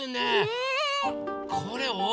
うん。